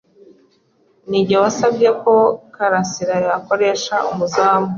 Ninjye wasabye ko Karasirayakoresha umuzamu.